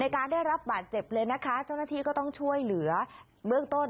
การได้รับบาดเจ็บเลยนะคะเจ้าหน้าที่ก็ต้องช่วยเหลือเบื้องต้น